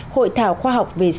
hội thảo khoa học về sản phẩm